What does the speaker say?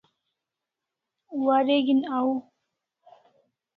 wareg'in au